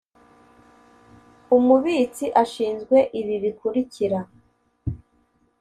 Umubitsi ashinzwe ibi bikurikira: